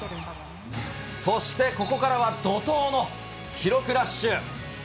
そしてここからは、怒とうの記録ラッシュ。